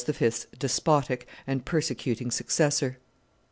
's despotic and persecuting successor.